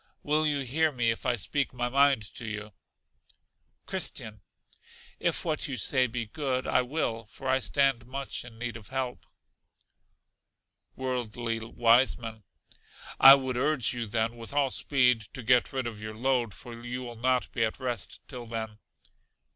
Will you hear me if I speak my mind to you? Christian. If what you say be good, I will, for I stand much in need of help. Worldly Wiseman. I would urge you then, with all speed, to get rid of your load; for you will not be at rest till then.